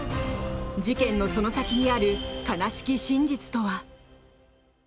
事件の、その先にある悲しき真実とは。